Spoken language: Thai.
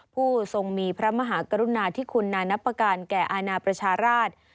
ผู้ทรงมีพระมหากรุณาที่คุณนานับประการแก่อาณาประชาราช